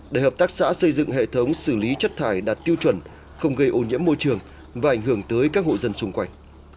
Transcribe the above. để hợp tác xã xây dựng hệ thống xử lý chất thải đạt tiêu chuẩn không gây ô nhiễm môi trường và ảnh hưởng tới các hộ dân xung quanh